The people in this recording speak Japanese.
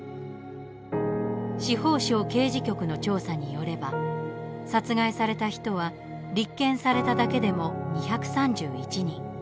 司法省刑事局の調査によれば殺害された人は立件されただけでも２３１人。